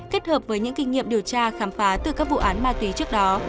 kết hợp với những kinh nghiệm điều tra khám phá từ các vụ án ma túy trước đó